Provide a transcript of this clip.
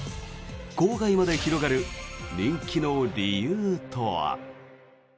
郊外まで広がる人気の理由とは。